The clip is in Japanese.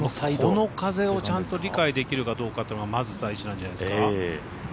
この風をちゃんと理解できるかどうかというのがまず、大事なんじゃないですか。